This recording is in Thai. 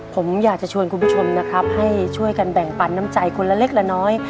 ผมอยากจะชวนคุณผู้ชมนะครับให้ช่วยกันแบ่งปันน้ำใจคนละเล็กละน้อย